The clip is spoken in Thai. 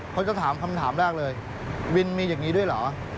เขาจะถามคำถามแรกเลยวินมีอย่างนี้ด้วยเหรอ